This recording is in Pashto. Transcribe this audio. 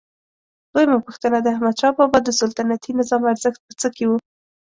دویمه پوښتنه: د احمدشاه بابا د سلطنتي نظام ارزښت په څه کې و؟